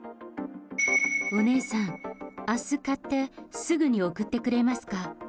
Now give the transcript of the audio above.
お姉さん、あす買ってすぐに送ってくれますか？